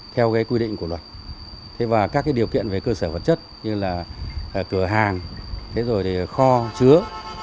theo cái quy định của luật các điều kiện về cơ sở vật chất như là cửa hàng khó chứa